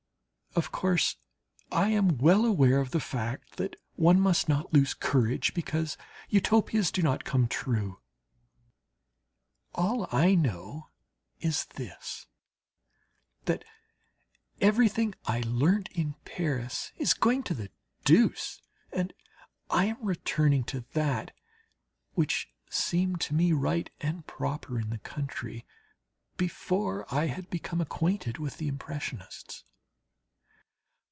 Of course I am well aware of the fact that one must not lose courage because Utopias do not come true. All I know is this, that everything I learnt in Paris is going to the deuce, and I am returning to that which seemed to me right and proper in the country, before I had become acquainted with the impressionists.